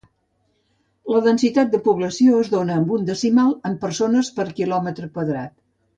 La densitat de població es dóna amb un decimal en persones per quilòmetre quadrat.